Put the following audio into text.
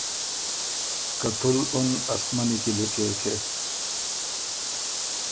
که تُو ل اُن اسمنی لی لیکېکې۔